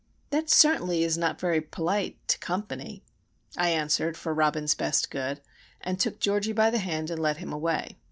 "That certainly is not very polite,—to company!" I answered for Robin's best good; and took Georgie by the hand and led him away.